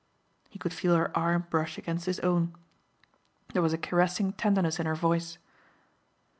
He could feel her arm brush against his own. There was a caressing tenderness in her voice.